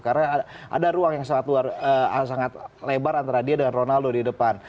karena ada ruang yang sangat lebar antara dia dan ronaldo di depan